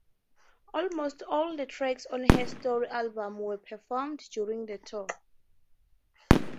Almost all the tracks on her My Story album were performed during the tour.